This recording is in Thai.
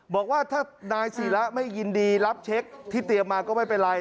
บอกว่าถ้านายศิระไม่ยินดีรับเช็คที่เตรียมมาก็ไม่เป็นไร